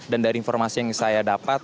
dan dari informasi yang saya dapat